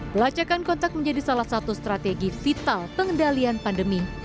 pelacakan kontak menjadi salah satu strategi vital pengendalian pandemi